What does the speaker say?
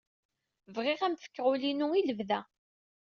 Bɣiɣ ad am-fkeɣ ul-inu i lebda.